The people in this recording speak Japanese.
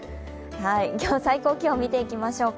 今日の最高気温を見ていきましょうか。